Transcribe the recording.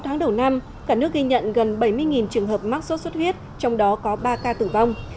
sáu tháng đầu năm cả nước ghi nhận gần bảy mươi trường hợp mắc sốt xuất huyết trong đó có ba ca tử vong